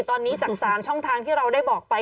ตอนนี้จาก๓ช่องทางที่เราได้บอกไป